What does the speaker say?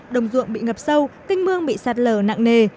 đồng ruộng bị ngập sâu canh mương bị sạt lở nặng nề